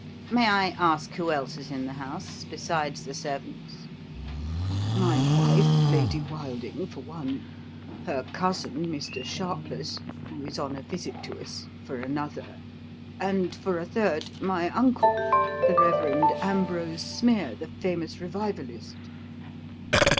"May I ask who else is in the house besides the servants?" "My wife, Lady Wilding, for one; her cousin, Mr. Sharpless, who is on a visit to us, for another; and, for a third, my uncle, the Rev. Ambrose Smeer, the famous revivalist."